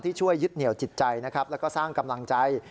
ช่วยยึดเหนียวจิตใจนะครับแล้วก็สร้างกำลังใจ